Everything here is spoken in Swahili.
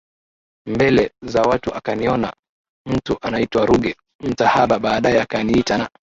mbele za watu akaniona mtu anaitwa Ruge Mutahaba baadae akaniita na